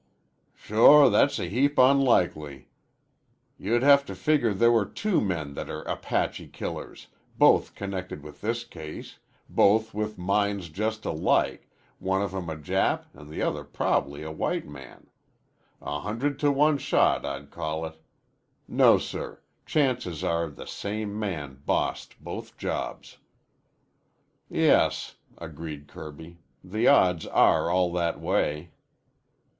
"Sho, that's a heap unlikely. You'd have to figure there were two men that are Apache killers, both connected with this case, both with minds just alike, one of 'em a Jap an' the other prob'ly a white man. A hundred to one shot, I'd call it. No, sir. Chances are the same man bossed both jobs." "Yes," agreed Kirby. "The odds are all that way."